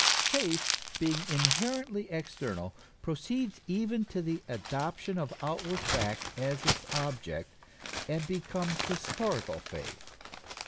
Faith, being inherently external, proceeds even to the adop tion of outward fact as its object, and becomes historical faith.